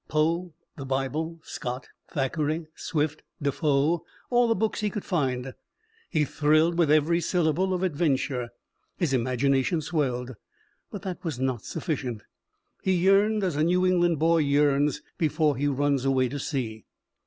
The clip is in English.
Poe, the Bible, Scott, Thackeray, Swift, Defoe all the books he could find. He thrilled with every syllable of adventure. His imagination swelled. But that was not sufficient. He yearned as a New England boy yearns before he runs away to sea.